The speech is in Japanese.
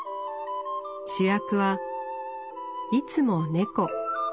主役はいつも猫。